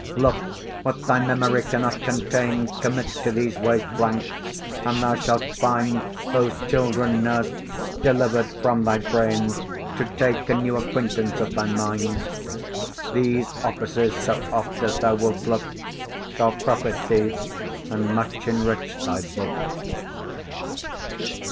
Look! what thy memory cannot contain, Commit to these waste blanks, and thou shalt find Those children nursed, deliver'd from thy brain, To take a new acquaintance of thy mind. These offices, so oft as thou wilt look, Shall profit thee and much enrich thy book.